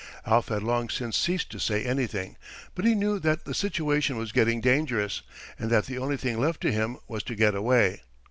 Alf had long since ceased to say anything, but he knew that the situation was getting dangerous, and that the only thing left to him was to get away.